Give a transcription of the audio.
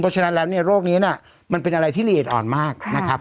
เพราะฉะนั้นแล้วเนี่ยโรคนี้มันเป็นอะไรที่ละเอียดอ่อนมากนะครับ